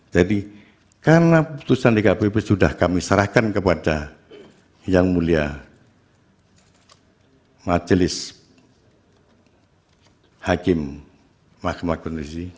dan jadi karena putusan di kpp sudah kami serahkan kepada yang mulia majelis hakim mahkamah kondisi